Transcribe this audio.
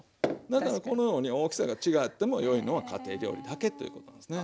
だからこのように大きさが違ってもよいのは家庭料理だけということなんですね。